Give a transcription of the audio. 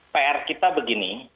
pr kita begini